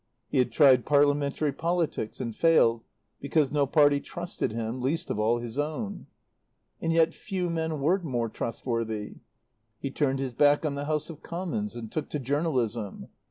He had tried parliamentary politics and failed because no party trusted him, least of all his own. And yet few men were more trustworthy. He turned his back on the House of Commons and took to journalism.